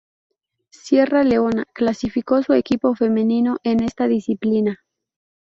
Sierra Leona clasificó su equipo femenino en esta disciplina.